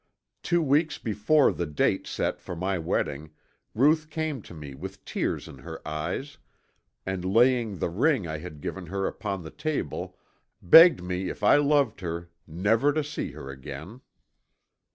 Two weeks before the date set for my wedding, Ruth came to me with tears in her eyes, and laying the ring I had given her upon the table begged me if I loved her never to see her again.